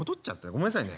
ごめんなさいね。